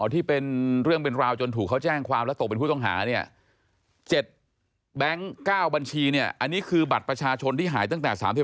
ที่เป็นเรื่องเป็นราวจนถูกเขาแจ้งความแล้วตกเป็นผู้ต้องหาเนี่ย๗แบงค์๙บัญชีเนี่ยอันนี้คือบัตรประชาชนที่หายตั้งแต่๓๑